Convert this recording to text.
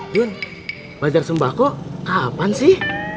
dun badar sembah kok kapan sih